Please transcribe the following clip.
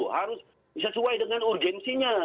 harus sesuai dengan urgensinya